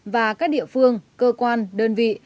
và các địa phương cơ quan đơn vị